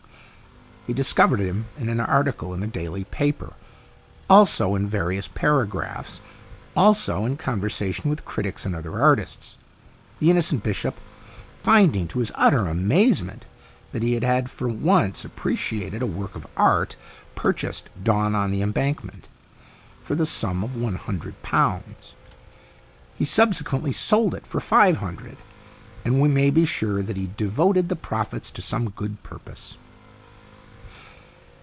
He discovered him in an article in a daily paper, also in various paragraphs, also in conversation with critics and other artists. The innocent bishop, finding to his utter amazement that he had THE LAST CHANCE 127 for once appreciated a work of art, purchased " Dawn on the Embankment " for the sum of one hundred pounds. He subsequently sold it for five hundred, and we may be sure that he devoted the profits to some good purpose.